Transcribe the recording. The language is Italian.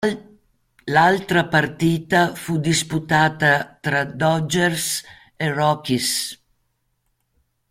L'altra partita fu disputata tra Dodgers e Rockies.